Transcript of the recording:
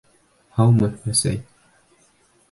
Һаумы, әсәй!